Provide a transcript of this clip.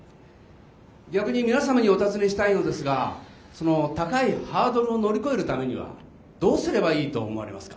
逆に皆様にお尋ねしたいのですがその高いハードルを乗り越えるためにはどうすればいいと思われますか？